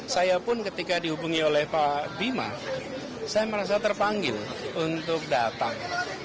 saya merasa terpanggil untuk datang